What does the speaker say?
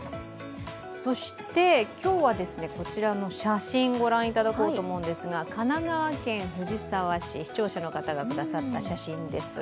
そして今日はこちらの写真をご覧いただきたいと思いますが神奈川県藤沢市、視聴者の方がくださった写真です。